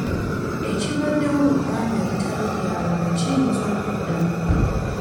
Ekibaddewo mu bbanga eritali lya wala kiyinza okuddamu.